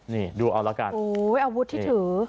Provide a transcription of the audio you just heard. นี่ดูเอาละกันโอ้ยอาวุธที่ถือ